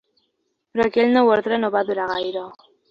Però aquell nou ordre no va durar gaire.